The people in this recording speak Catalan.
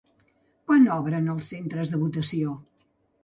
Quan obren els centres de votació?